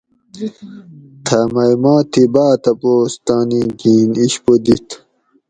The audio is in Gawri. تھہ مئی ما تھی باۤ تپوس تانی گھین اِشپو دیت